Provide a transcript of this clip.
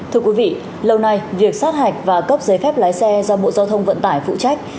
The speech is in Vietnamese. thưa quý vị lâu nay việc sát hạch và cấp giấy phép lái xe do bộ giao thông vận tải phụ trách